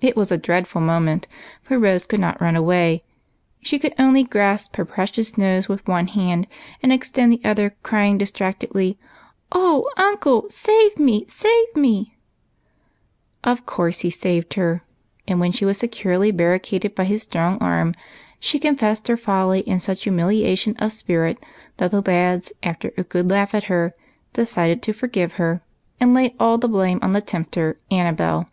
It was a dreadful moment, for Rose could not run away, — she could only grasp her precious nose with one hand and extend the other, crying distractedly, —" O uncle, save me, save me !" Of course he saved her ; and when she was securely barricaded by his strong arm, she confessed her folly in such humiliation of spirit that the lads, after a good laugh at her, decided to forgive her and lay all the blame on the tempter, Annabel.